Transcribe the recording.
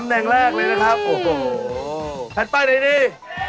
แผ่นป้ายในดี